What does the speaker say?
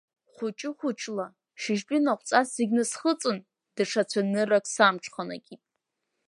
Хәыҷы-хәыҷла, шьыжьтәи наҟәҵас зегьы насхыҵын, даҽа цәаныррак самҽханакит.